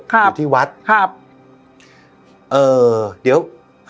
ผมอยู่ที่วัดเออเดี๋ยว